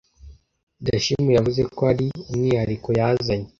Dashim yavuze ko hari umwihariko yazanye